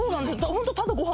ホントただご飯